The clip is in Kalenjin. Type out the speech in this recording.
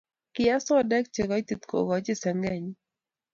kiee sodek chegoitit koganyi sengenyi